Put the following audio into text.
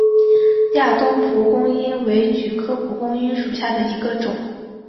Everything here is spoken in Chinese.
亚东蒲公英为菊科蒲公英属下的一个种。